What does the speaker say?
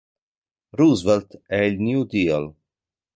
Roosevelt e il New Deal.